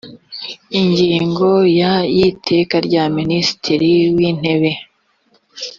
ingingo ya y iteka rya minisitiri w intebe